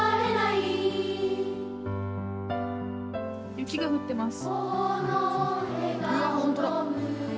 雪が降ってます。